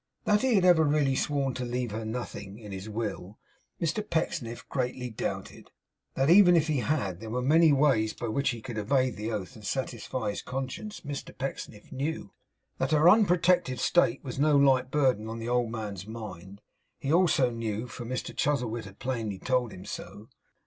That he had ever really sworn to leave her nothing in his will, Mr Pecksniff greatly doubted. That even if he had, there were many ways by which he could evade the oath and satisfy his conscience, Mr Pecksniff knew. That her unprotected state was no light burden on the old man's mind, he also knew, for Mr Chuzzlewit had plainly told him so.